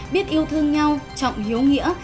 biết yêu thương nhau trọng hiếu nghĩa